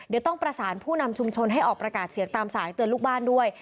เดี๋ยวต้องประสานผู้นำชุมชนให้ออกประกาศเสียงตามสายเตือนลูกบ้านด้วย